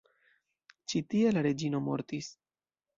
Ĉi-tie la reĝino mortis.